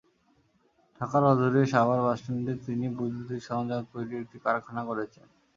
ঢাকার অদূরে সাভার বাসস্ট্যান্ডে তিনি বৈদ্যুতিক সরঞ্জাম তৈরির একটি কারখানা গড়েছেন।